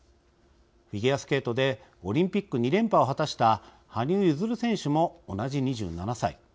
フィギュアスケートでオリンピック２連覇を果たした羽生結弦選手も同じ２７歳。